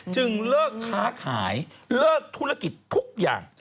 เลิกค้าขายเลิกธุรกิจทุกอย่าง